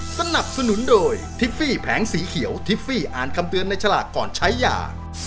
สนับสนุนโดยทิฟฟี่แผงสีเขียวทิฟฟี่อ่านคำเตือนในฉลากก่อนใช้ยา